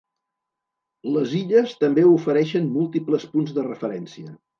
Les illes també ofereixen múltiples punts de referència.